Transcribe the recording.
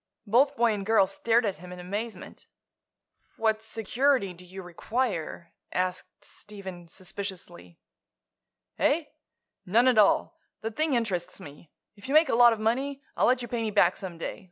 Both boy and girl stared at him in amazement. "What security do you require?" asked Stephen, suspiciously. "Eh? None at all. The thing interests me. If you make a lot of money, I'll let you pay me back some day.